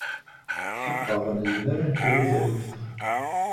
Tḥeqqeɣ nezmer ad nefru taluft-a.